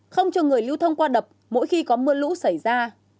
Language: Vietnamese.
không cho người lưu thông qua đập mỗi khi có mưa lũ xảy ra